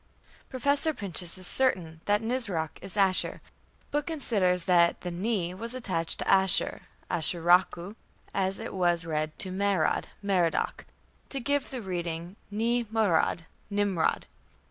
Professor Pinches is certain that Nisroch is Ashur, but considers that the "ni" was attached to "Ashur" (Ashuraku or Ashurachu), as it was to "Marad" (Merodach) to give the reading Ni Marad = Nimrod.